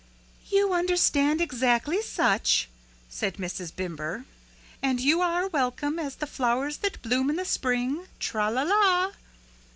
"You understand exactly such," said Mrs. Bimber, "and you are welcome as the flowers that bloom in the spring, tra la la."